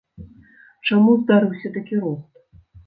Чаму здарыўся такі рост?